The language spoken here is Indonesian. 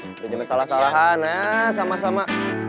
udah jangan salah salahan ya sama sama